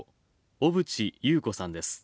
小渕優子さんです。